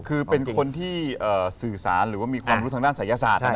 คือเป็นคนที่สื่อสารหรือว่ามีความรู้ทางด้านศัยศาสตร์